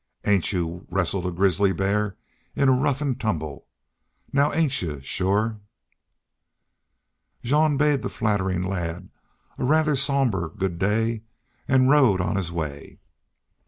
Ain't y'u wuss'ern a grizzly bear in a rough an' tumble? ... Now ain't y'u, shore?" Jean bade the flattering lad a rather sober good day and rode on his way.